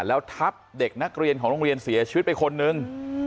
แล้วทับเด็กนักเรียนของโรงเรียนเสียชีวิตไปคนนึง